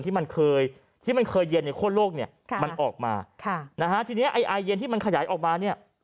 ที่มันเคยเย็นในข้วโลกมันออกมาทีนี้อายอายเย็นที่มันขยายออกมา